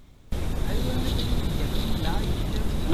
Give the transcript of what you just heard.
Are you going to believe every lie he tells you?